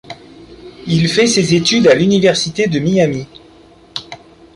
Il fait ses études à l'université de Miami.